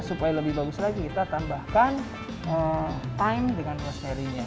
supaya lebih bagus lagi kita tambahkan time dengan rosemary nya